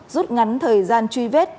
rút ngắn thời gian truy vết